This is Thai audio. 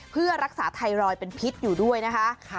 เพื่อรักษาไทรอยด์เป็นพิษอยู่ด้วยนะคะ